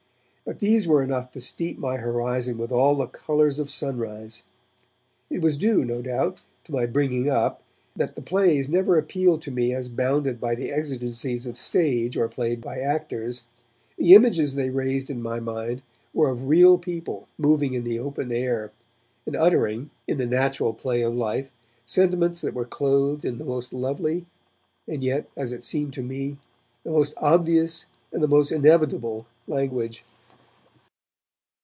But these were enough to steep my horizon with all the colours of sunrise. It was due, no doubt, to my bringing up, that the plays never appealed to me as bounded by the exigencies of a stage or played by actors. The images they raised in my mind were of real people moving in the open air, and uttering, in the natural play of life, sentiments that were clothed in the most lovely, and yet, as it seemed to me, the most obvious and the most inevitable language.